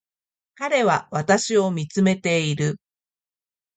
彼は私を見つめている